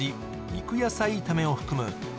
肉野菜炒めを含む